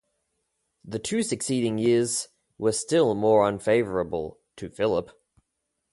The two succeeding years were still more unfavourable to Philip.